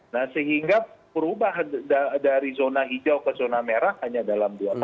nah sehingga perubahan dari zona hijau ke zona merah hanya dalam dua tahun